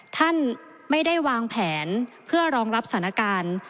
ท่านไม่ได้วางแผนเพื่อรองรับสถานการณ์